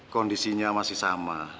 kondisinya masih sama